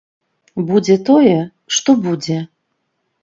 Будзе тое, што будзе.